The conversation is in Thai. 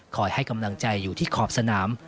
ให้กำลังใจอยู่ที่ขอบสนาม